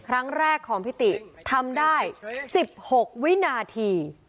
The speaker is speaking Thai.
ครั้งแรกของพิติทำได้๑๖วินาที